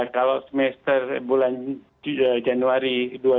kalau semester bulan januari dua ribu dua puluh